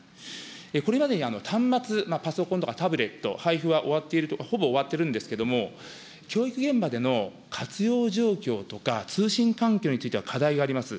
これまでに端末、パソコンとかタブレット、配布は終わっている、ほぼ終わっているんですけれども、教育現場での活用状況とか、通信環境については課題はあります。